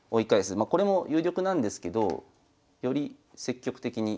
まあこれも有力なんですけどより積極的にいきます。